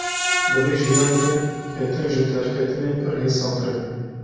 Di vê jiyanê de ketin ji derketinê pir hêsantir e.